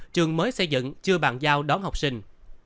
trường mới xây dựng chưa bàn giao đón học sinh